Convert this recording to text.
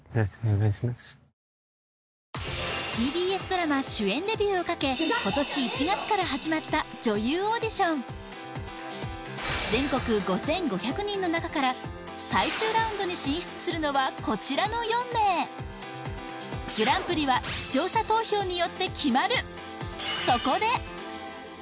ＴＢＳドラマ主演デビューをかけ今年１月から始まった女優オーディション全国５５００人の中から最終ラウンドに進出するのはこちらの４名グランプリは視聴者投票によって決まる！